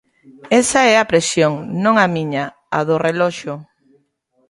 Esa é a presión, non a miña, a do reloxo.